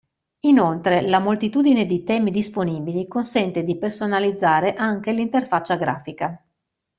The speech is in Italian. Inoltre, la moltitudine di temi disponibili consente di personalizzare anche l'interfaccia grafica.